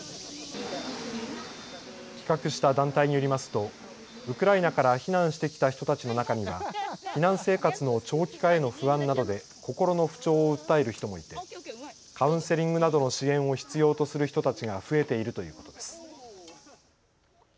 企画した団体によりますとウクライナから避難してきた人たちの中には避難生活の長期化への不安などで心の不調を訴える人もいてカウンセリングなどの支援を必要とする人たちが増えているということです。